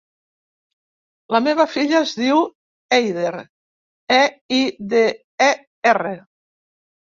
La meva filla es diu Eider: e, i, de, e, erra.